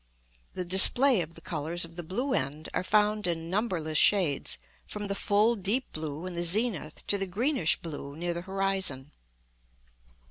The display of the colours of the blue end are found in numberless shades, from the full deep blue in the zenith to the greenish blue near the horizon.